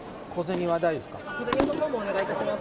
小銭のほうもお願いいたします。